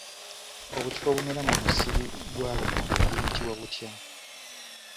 Obutiko obumera mu musiri gwa lumonde buyitibwa butya?